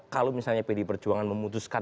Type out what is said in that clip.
kalau misalnya pdi perjuangan memutuskan